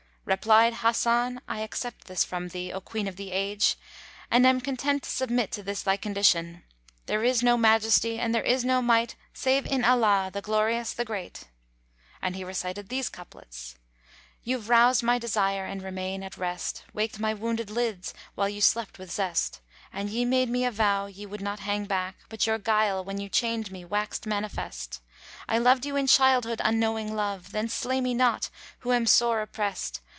Replied Hasan, "I accept this from thee, O Queen of the Age, and am content to submit to this thy condition. There is no Majesty and there is no Might save in Allah, the Glorious, the Great!" And he recited these couplets, "You've roused my desire and remain at rest,— * Waked my wounded lids while you slept with zest. And ye made me a vow ye would not hang back * But your guile when you chained me waxt manifest. I loved you in childhood unknowing Love; * Then slay me not who am sore opprest.